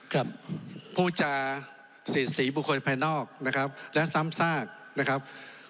ครับผู้จารย์ศรีศรีผู้คนภายนอกนะครับแล้วซำทรากษ์นะครับ